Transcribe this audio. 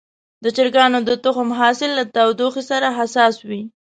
د چرګانو د تخم حاصل له تودوخې سره حساس وي.